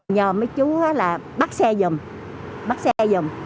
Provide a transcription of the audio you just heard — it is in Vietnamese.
nhờ mấy chú bắt xe dùm bắt xe dùm